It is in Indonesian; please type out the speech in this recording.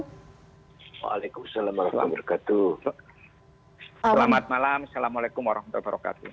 assalamualaikum assalamualaikum assalamualaikum assalamualaikum assalamualaikum assalamualaikum assalamualaikum assalamualaikum assalamualaikum assalamualaikum assalamualaikum